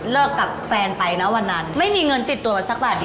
กับแฟนไปนะวันนั้นไม่มีเงินติดตัวสักบาทเดียว